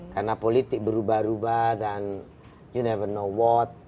karena politik berubah ubah dan you never know what